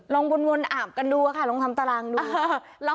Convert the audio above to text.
วนอาบกันดูค่ะลองทำตารางดู